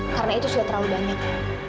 karena itu sudah terlalu banyak